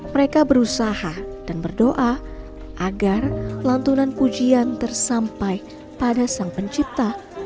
mereka berusaha dan berdoa agar lantunan pujian tersampai pada sang pencipta